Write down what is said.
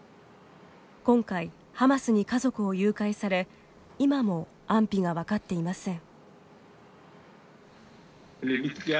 今回、ハマスに家族を誘拐され今も安否が分かっていません。